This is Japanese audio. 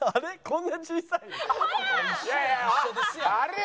こんな小さい？ほら！